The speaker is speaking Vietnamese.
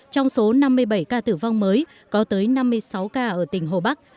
trong số năm mươi bảy ca tử vong mới có tới năm mươi sáu ca ở tỉnh hồ bắc